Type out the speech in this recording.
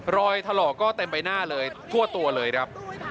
ถลอกก็เต็มใบหน้าเลยทั่วตัวเลยครับ